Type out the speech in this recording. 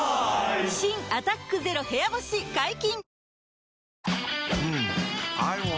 新「アタックＺＥＲＯ部屋干し」解禁‼